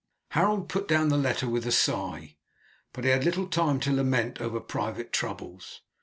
Harold put down the letter with a sigh. But he had little time to lament over private troubles.